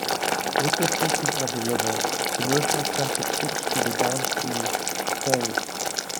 With the silting of the river, commercial traffic switched to the downstream Staithe.